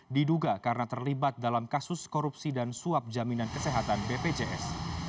diduga karena terlibat dalam kasus korupsi dan suap jaminan kesehatan bpjs